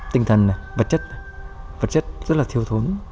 tinh thần này vật chất này vật chất rất là thiếu thốn